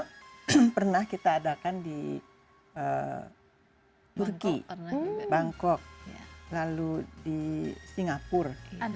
itu pernah kita adakan di turki bangkok lalu di singapura